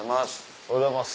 おはようございます。